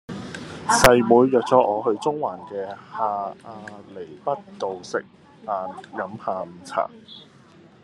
細妹約左我去中環嘅下亞厘畢道食晏飲下午茶